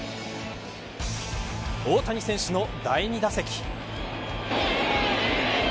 大谷選手の第２打席。